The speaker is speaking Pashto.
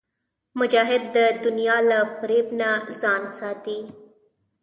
مجاهد د دنیا له فریب نه ځان ساتي.